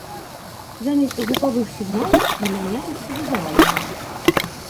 Замест гукавых сігналаў прымяняюцца візуальныя.